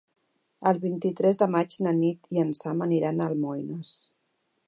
El vint-i-tres de maig na Nit i en Sam aniran a Almoines.